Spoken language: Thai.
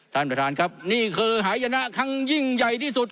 ท่านประธานครับนี่คือหายนะครั้งยิ่งใหญ่ที่สุด